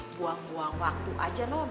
buang buang waktu aja no